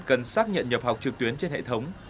cần xác nhận nhập học trực tuyến trên hệ thống